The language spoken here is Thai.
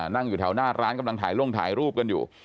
นั่งอยู่แถวหน้าร้านกำลังถ่ายลงถ่ายรูปกันอยู่